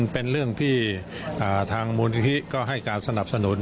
เป็นเรื่องที่ทางมูลนิธิก็ให้การสนับสนุน